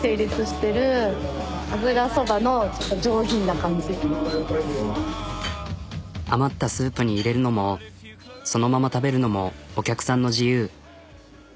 何かもう余ったスープに入れるのもそのまま食べるのもお客さんの自由。